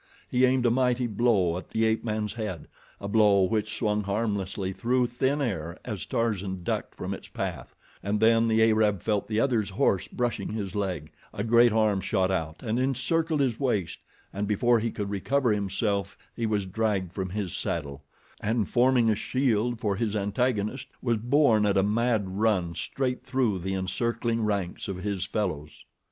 He aimed a mighty blow at the ape man's head, a blow which swung harmlessly through thin air as Tarzan ducked from its path, and then the Arab felt the other's horse brushing his leg, a great arm shot out and encircled his waist, and before he could recover himself he was dragged from his saddle, and forming a shield for his antagonist was borne at a mad run straight through the encircling ranks of his fellows.